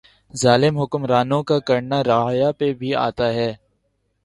ظالم حکمرانوں کا کرنا رعایا پہ بھی آتا ھے